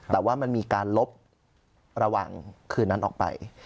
แต่ว่ามันมีการลบระหว่างคืนนั้นออกไป